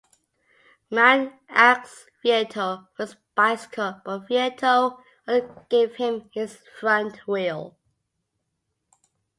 Magne asked Vietto for his bicycle, but Vietto only gave him his front wheel.